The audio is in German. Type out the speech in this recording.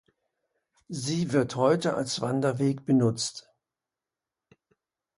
Sie wird heute als Wanderweg benutzt.